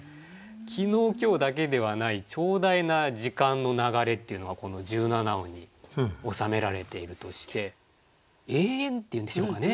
昨日今日だけではない長大な時間の流れっていうのがこの１７音に収められているとして永遠っていうんでしょうかね。